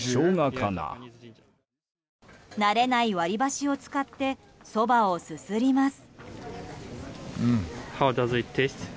慣れない割り箸を使ってそばをすすります。